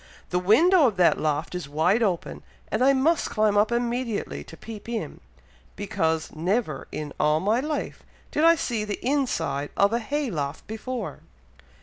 The window of that loft is wide open, and I must climb up immediately to peep in, because never, in all my life, did I see the inside of a hay loft before!"